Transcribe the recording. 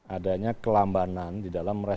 adanya kelambanan di dalam